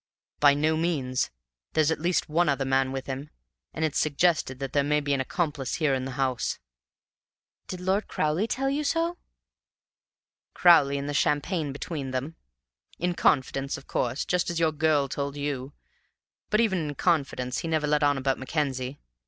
"By no means; there's at least one other man with him; and it's suggested that there may be an accomplice here in the house." "Did Lord Crowley tell you so?" "Crowley and the champagne between them. In confidence, of course, just as your girl told you; but even in confidence he never let on about Mackenzie.